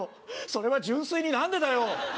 それは純粋になんでだよ